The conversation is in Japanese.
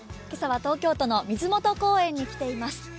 今朝は東京都の水元公園に来ています。